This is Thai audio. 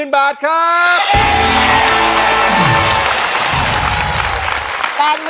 ๘๐๐๐๐บาทครับ